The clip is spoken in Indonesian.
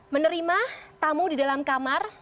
menerima tamu di dalam kamar